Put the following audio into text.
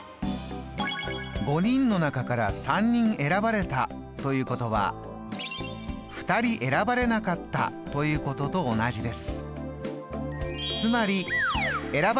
５人の中から３人選ばれたということは２人選ばれなかったということと同じです。